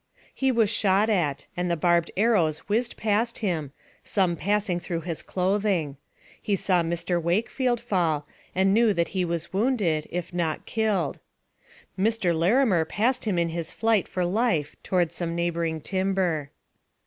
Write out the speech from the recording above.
He was shot at, and the barbed arrows whizzed past him, some passing through his clothing. He saw Mr. Wakefield fall, and knew that he was wounded, if not killed. Mr. Larimer passed him in his flight for life toward some neighboring timber.